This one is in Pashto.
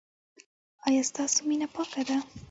ایا ستاسو مینه پاکه ده؟